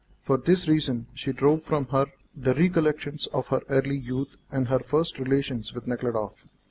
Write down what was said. For this reason she drove from her the recollections of her early youth and her first relations with Nekhludoff.